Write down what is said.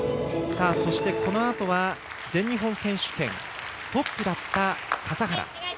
このあとは全日本選手権トップだった笠原。